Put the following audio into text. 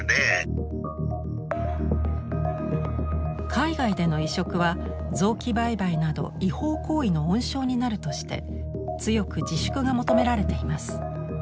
海外での移植は臓器売買など違法行為の温床になるとして強く自粛が求められています。